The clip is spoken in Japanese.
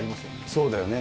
そうだよね。